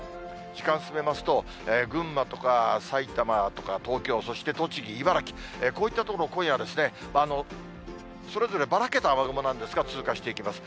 時間進めますと、群馬とか埼玉とか東京、そして栃木、茨城、こういった所、今夜、それぞれ、ばらけた雨雲なんですが、通過していきます。